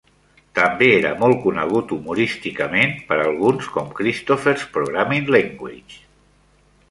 També era molt conegut humorísticament, per alguns, com Christopher's Programming Language.